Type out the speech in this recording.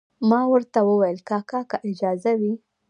ما ورته وویل کاکا که اجازه وي.